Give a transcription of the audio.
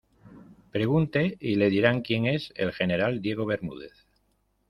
pregunte y le dirán quién es el general Diego Bermúdez.